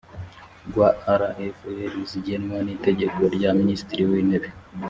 rwa rfl zigenwa n iteka rya minisitiri w intebe